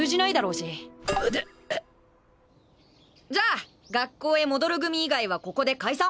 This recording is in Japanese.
じゃあ学校へ戻る組以外はここで解散。